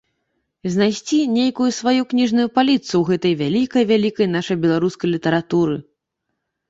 Знайсці нейкую сваю кніжную паліцу ў гэтай вялікай-вялікай нашай беларускай літаратуры.